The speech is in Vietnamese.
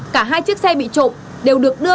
cả hai chiếc xe bị trộm đều được đưa